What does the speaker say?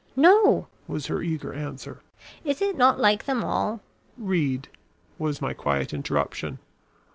"No," was her eager answer. "Is it not like them all " "Read," was my quiet interruption.